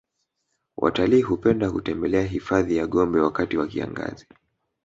watalii hupenda kutembelea hifadhi ya gombe wakati wa kiangazi